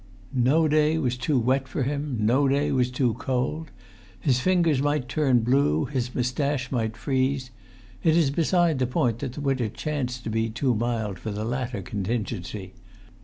No day was too wet for him; no day was too cold. His fingers might turn blue, his moustache might freeze; it is beside the point that the winter chanced to be too mild for the latter contingency.